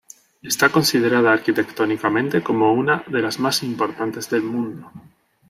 Está considerada arquitectónicamente como una de las más importantes del mundo.